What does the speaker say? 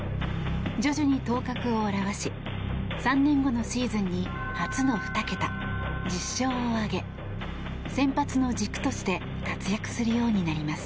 徐々に頭角を現し３年後のシーズンに初の２桁１０勝を挙げ先発の軸として活躍するようになります。